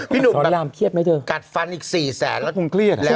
หนุ่มอารามเครียดไหมเธอกัดฟันอีก๔แสนแล้วคงเครียดแล้ว